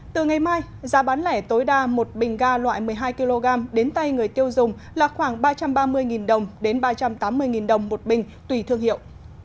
từ ngày mai giá bán lẻ tối đa một bình ga loại một mươi hai kg đến tay người tiêu dùng là khoảng ba trăm ba mươi đồng đến ba trăm tám mươi đồng một bình tùy thương hiệu